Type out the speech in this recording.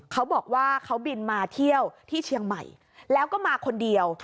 เขาบอกว่าเขาบินมาเที่ยวที่เชียงใหม่แล้วก็มาคนเดียว